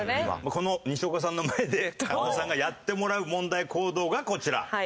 このにしおかさんの前で加納さんがやってもらう問題行動がこちら。